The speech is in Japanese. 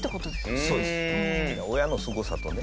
親のすごさとね。